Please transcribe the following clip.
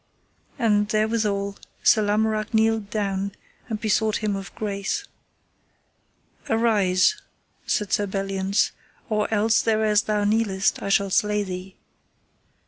And therewithal Sir Lamorak kneeled down, and besought him of grace. Arise, said Sir Belliance, or else thereas thou kneelest I shall slay thee.